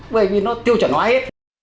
bởi vì nó tiêu chuẩn hóa hết